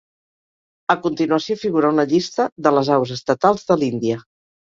A continuació figura una llista de les aus estatals de l'Índia.